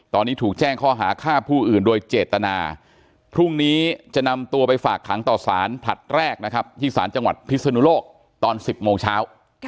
ตอนนี้ถูกแจ้งข้อหาฆ่าผู้อื่นโดยเจตนาพรุ่งนี้จะนำตัวไปฝากขังต่อสารผลัดแรกนะครับที่สารจังหวัดพิศนุโลกตอน๑๐โมงเช้า